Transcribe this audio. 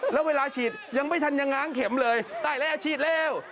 แล้วเวลาฉีดยังไม่ทันยังง้างเข็มเลยได้แล้วฉีดแล้ว